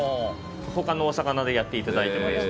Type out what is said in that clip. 他のお魚でやっていただいてもいいです。